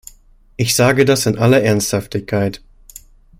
Ich sage das in aller Ernsthaftigkeit.